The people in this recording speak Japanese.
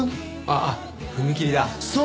あっ踏切だ。